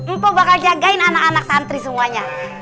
empo bakal jagain anak anak santri semuanya